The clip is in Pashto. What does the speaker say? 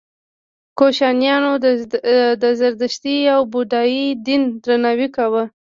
کوشانیانو د زردشتي او بودايي دین درناوی کاوه